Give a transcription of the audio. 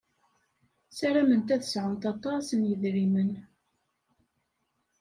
Sarament ad sɛunt aṭas n yedrimen.